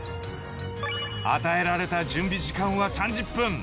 ［与えられた準備時間は３０分］